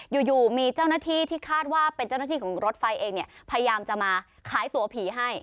อยู่มีเจ้าหน้าที่ที่คาดว่าเป็นเจ้าหน้าที่ของรถไฟเองเนี่ยพยายามจะมาขายตัวผีให้